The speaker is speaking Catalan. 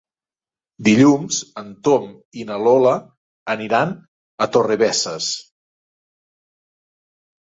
Dilluns en Tom i na Lola aniran a Torrebesses.